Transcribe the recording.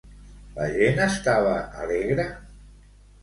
La gent estava alegre?